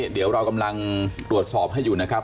เดี๋ยวเรากำลังตรวจสอบให้อยู่นะครับ